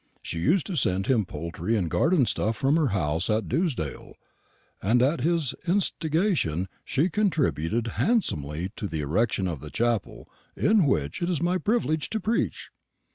She used to send him poultry and garden stuff from her house at Dewsdale, and at his instigation she contributed handsomely to the erection of the chapel in which it is my privilege to preach."